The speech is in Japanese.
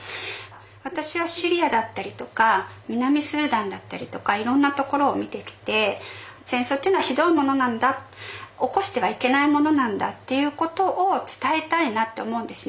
私はシリアだったりとか南スーダンだったりとかいろんなところを見てきて戦争っていうのはひどいものなんだ起こしてはいけないものなんだっていうことを伝えたいなって思うんですね